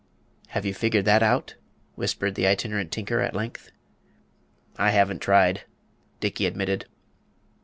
"Have you figured that out?" whispered the Itinerant Tinker at length. "I haven't tried," Dickey admitted.